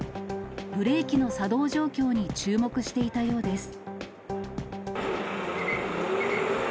ブレーキの作動状況に注目していたようです。